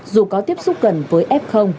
cũng có tiếp xúc gần với f